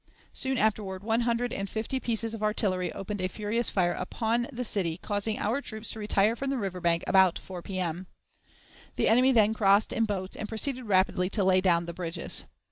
Soon afterward, one hundred and fifty pieces of artillery opened a furious fire upon the city, causing our troops to retire from the river bank about 4 P.M. The enemy then crossed in boats, and proceeded rapidly to lay down the bridges.